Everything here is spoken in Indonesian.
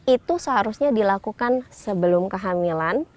itu seharusnya dilakukan sebelum kehamilan